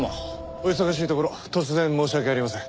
お忙しいところ突然申し訳ありません。